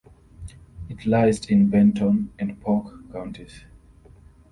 It lies in Benton and Polk counties.